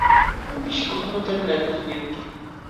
Tukish kutuntam lantiqñanki.